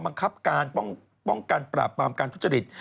บังคับการป้องกันปราบปรามการทุจริต